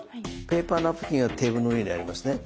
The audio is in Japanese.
ペーパーナプキンはテーブルの上にありますね。